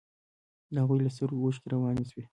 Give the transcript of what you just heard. د هغوى له سترگو اوښکې روانې سوې.